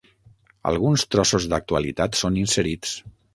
Alguns trossos d'actualitat són inserits.